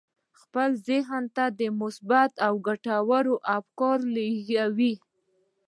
خپل ذهن ته مثبت او ګټور افکار ولېږئ